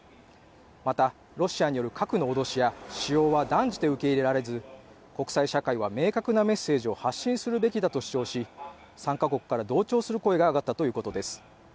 また、ロシアによる核の脅しや使用は断じて受け入れられず国際社会は明確なメッセージを発信するべきだと主張し参加国から同調する声が上がったということです。